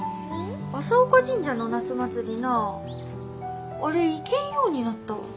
朝丘神社の夏祭りなああれ行けんようになったわ。